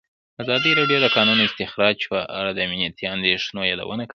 ازادي راډیو د د کانونو استخراج په اړه د امنیتي اندېښنو یادونه کړې.